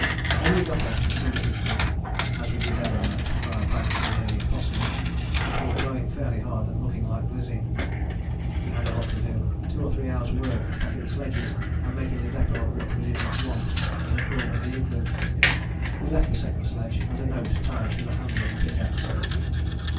When we got up, as soon as we could, as we did every night, for our bags were nearly impossible, it was blowing fairly hard and looked like blizzing. We had a lot to do, two or three hours' work, packing sledges and making a depôt of what we did not want, in a corner of the igloo. We left the second sledge, and a note tied to the handle of the pickaxe.